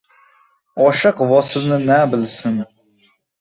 Oshiq vosilni na bilsin?!